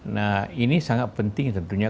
nah ini sangat penting tentunya